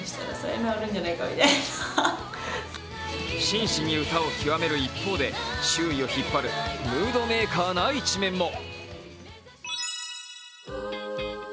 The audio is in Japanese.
真摯に歌を極める一方で、周囲を引っ張るムードメーカーな一面も。